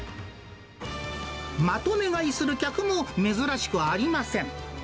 まとめ買いする客も珍しくありません。